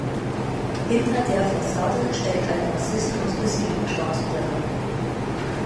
Hinter der Fassade steckt ein Rassist und Whiskey-Schwarzbrenner.